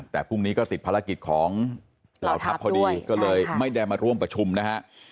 แต่พรุ่งนี้ก็ติดภารกิจของเหล่าทัพพอดีก็เลยไม่ได้มาร่วมประชุมนะฮะ